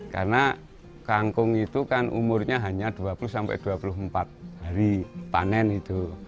karena kangkung itu kan umurnya hanya dua puluh sampai dua puluh empat hari panen itu